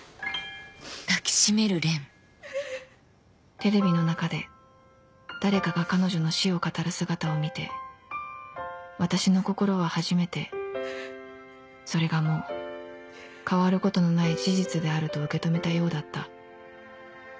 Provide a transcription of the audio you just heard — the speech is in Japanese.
テレビの中で誰かが彼女の死を語る姿を見て私の心は初めてそれがもう変わることのない事実であると受け止めたようだった